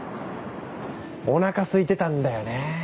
おなかすいてたんだよね。